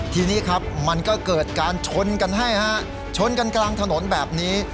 ทีนี้ครับมันก็เกิดการชนกันให้ฮะชนกันกลางถนนแบบนี้